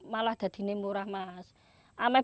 malah lebih murah